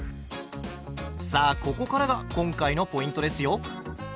さあここからが今回のポイントですよ。